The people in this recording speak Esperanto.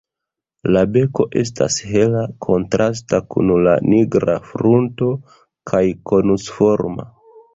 La beko estas hela, kontrasta kun la nigra frunto kaj konusforma.